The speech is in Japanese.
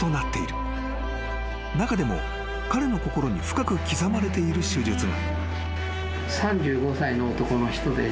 ［中でも彼の心に深く刻まれている手術が］